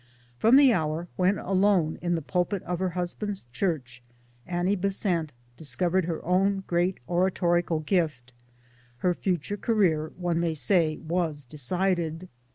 From the hour when, alone in the pulpit of her husband's church, Annie Besant discovered her own great oratorical gift, her future career, one may say, was decided.